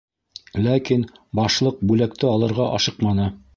Ләкин Башлыҡ бүләкте алырға ашыҡманы.